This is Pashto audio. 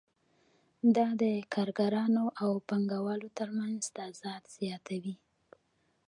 دا د کارګرانو او پانګوالو ترمنځ تضاد زیاتوي